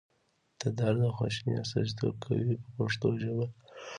د درد او خواشینۍ استازیتوب کوي په پښتو ژبه.